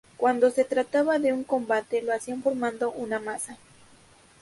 Cuando se trataba de un combate, lo hacían formando una masa.